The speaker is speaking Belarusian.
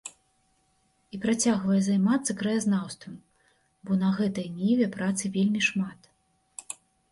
І працягвае займацца краязнаўствам, бо на гэтай ніве працы вельмі шмат.